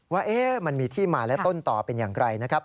ว่ามันมีที่มาและต้นต่อเป็นอย่างไรนะครับ